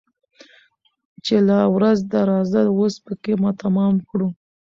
چي لا ورځ ده راځه وس پكښي تمام كړو